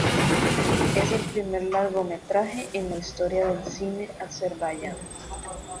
Es el primer largometraje en la historia del cine azerbaiyano.